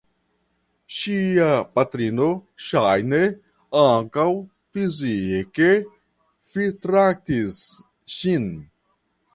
Ŝia patrino ŝajne ankaŭ fizike fitraktis ŝin.